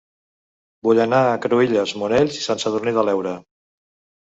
Vull anar a Cruïlles, Monells i Sant Sadurní de l'Heura